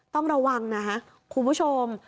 ต้องระวังนะคะคุณผู้ชม